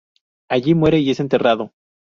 Allí muere y es enterrado.